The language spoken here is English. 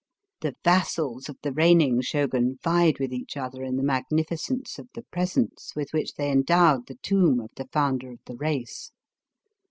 The vassals of the reigning Shogun vied with each other in the magnificence of the presents with which they endowed the tomb of the founder of the race.